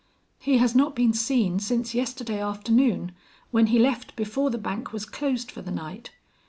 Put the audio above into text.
He has not been seen since yesterday afternoon when he left before the bank was closed for the night.